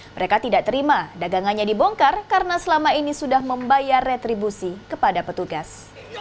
mereka tidak terima dagangannya dibongkar karena selama ini sudah membayar retribusi kepada petugas